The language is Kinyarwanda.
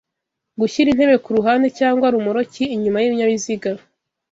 Gushyira intebe ku ruhande cyangwa romoruki inyuma y'ibinyabiziga